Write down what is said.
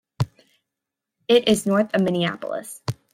It is north of Minneapolis.